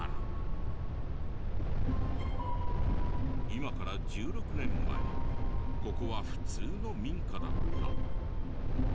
今から１６年前ここは普通の民家だった。